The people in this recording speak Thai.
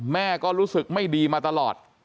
แม่ก็รู้สึกไม่ดีมาตลอด